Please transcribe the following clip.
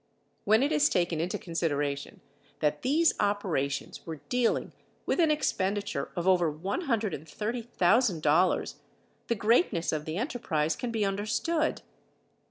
When it is taken into consideration that these operations were dealing with an expenditure of over one hundred and thirty thousand dollars, the greatness of the enterprise can be understood.